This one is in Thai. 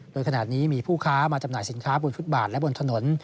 โดยขนาดนี้มีผู้ค้ามาจำหน่ายสินค้าบนฟุตบาทและบนถนน